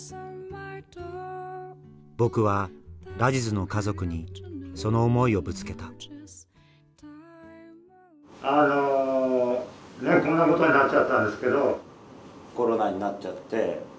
僕はラジズの家族にその思いをぶつけたあのこんなことになっちゃったんですけどコロナになっちゃって。